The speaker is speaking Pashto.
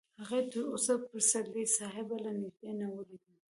هغې تر اوسه پسرلي صاحب له نږدې نه و لیدلی